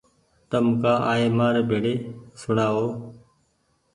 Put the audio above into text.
تم ڪآ آئي مآري ڀيڙي سوڻآ او